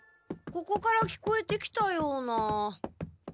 ここから聞こえてきたような。